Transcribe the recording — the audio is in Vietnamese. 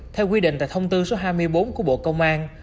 theo quy định tại thông tư số hai mươi bốn của bộ công an